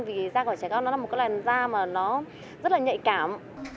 vì da của trẻ con là một loài da rất là nhạy cảm